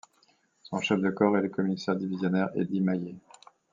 Son chef de corps est le Commissaire Divisionnaire Eddy Maillet.